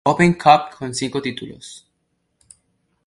Open Cup, con cinco títulos.